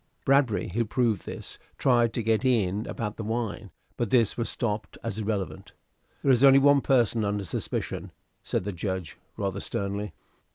Bradbury, who proved this, tried to get in about the wine; but this was stopped as irrelevant. "There is only one person under suspicion," said the Judge, rather sternly.